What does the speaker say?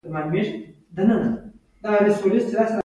زه به ورشم هغه پاتې شوي شیان به راټول کړم.